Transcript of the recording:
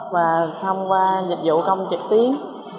và thông qua dịch vụ công trực tuyến